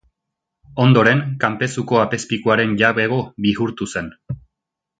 Ondoren Kanpezuko apezpikuaren jabego bihurtu zen.